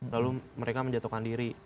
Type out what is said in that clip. lalu mereka menjatuhkan diri